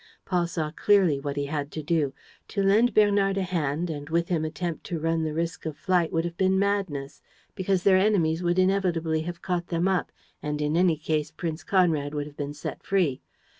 Paul saw clearly what he had to do. To lend Bernard a hand and with him attempt to run the risk of flight would have been madness, because their enemies would inevitably have caught them up and in any case Prince Conrad would have been set free.